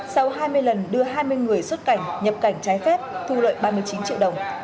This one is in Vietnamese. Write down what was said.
sau hai mươi lần đưa hai mươi người xuất cảnh nhập cảnh trái phép thu lợi ba mươi chín triệu đồng